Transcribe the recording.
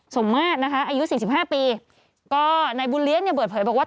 สมมาตย์นะคะอายุสิบสิบห้าปีก็ในบูระเรียกเนี่ยเบื่อไผลบอกว่า